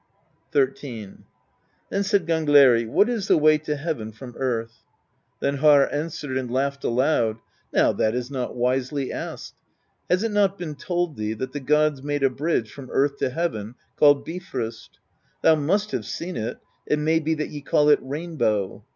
Xni. Then said Gangleri: "What is the way to heaven from earth?" Then Harr answered, and laughed aloud: "Now, that is not wisely asked; has it not been told thee, that the gods made a bridge from earth to heaven, called Bifrost? Thou must have seen it; it may be that ye call it 'rainbow.'